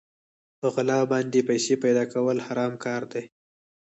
په غلا باندې پيسې پيدا کول حرام کار دی.